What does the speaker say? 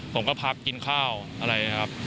ผมก็พับกินข้าวอะไรนะครับ